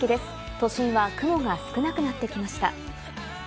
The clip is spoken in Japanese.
都心は雲が少なくなってきました。